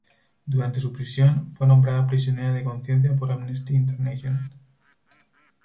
Durante su prisión, fue nombrada prisionera de conciencia por Amnesty International.